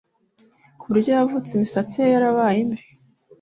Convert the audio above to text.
ku buryo yavutse imisatsi ye yarabaye imvi.